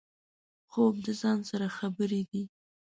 خوب د ځان سره خبرې دي